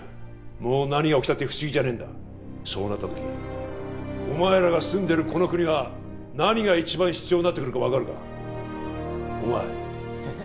もう何が起きたって不思議じゃねえんだそうなった時お前らが住んでるこの国は何が一番必要になってくるか分かるかお前えっ